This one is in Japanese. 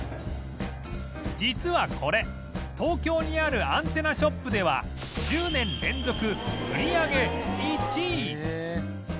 実はこれ東京にあるアンテナショップでは１０年連続売り上げ１位